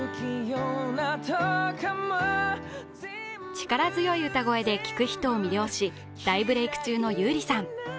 力強い歌声で聴く人を魅了し、大ブレイク中の優里さん。